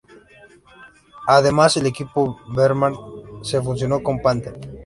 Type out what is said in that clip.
Además, el equipo Menard se fusionó con Panther.